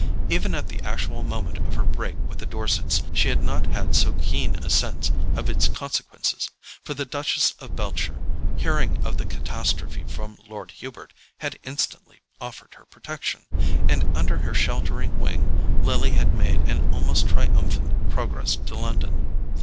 Even at the actual moment of her break with the Dorsets she had not had so keen a sense of its consequences, for the Duchess of Beltshire, hearing of the catastrophe from Lord Hubert, had instantly offered her protection, and under her sheltering wing Lily had made an almost triumphant progress to London.